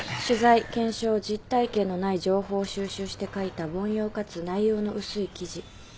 取材検証実体験のない情報を収集して書いた凡庸かつ内容の薄い記事。